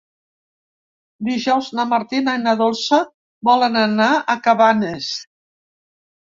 Dijous na Martina i na Dolça volen anar a Cabanes.